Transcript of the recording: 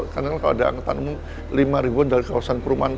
karena kalau ada angkutan umum lima ribuan dari kawasan perumahan